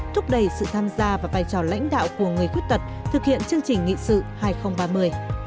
thúc đẩy sự tham gia và vai trò lãnh đạo của người khuyết tật thực hiện chương trình nghị sự hai nghìn ba mươi